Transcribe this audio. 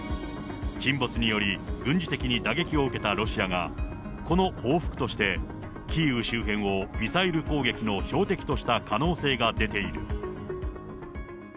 沈没により、軍事的に打撃を受けたロシアが、この報復として、キーウ周辺をミサイル攻撃の標的とした可能性が出ている。